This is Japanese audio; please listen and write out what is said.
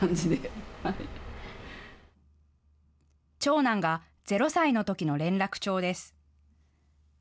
長男が０歳のときの連絡帳です。